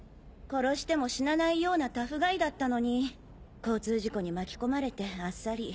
殺しても死なないようなタフガイだったのに交通事故に巻き込まれてあっさり。